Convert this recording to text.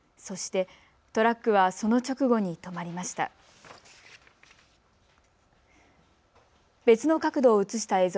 そしてトラックはその直後に止まりました。